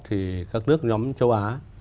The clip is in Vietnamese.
thì các nước nhóm châu á